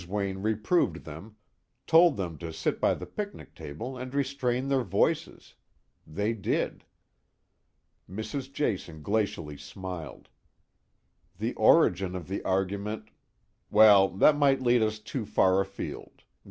Wayne reproved them, told them to sit by the picnic table and restrain their voices. They did." Mrs. Jason glacially smiled. "The origin of the argument " "Well, that might lead us too far afield.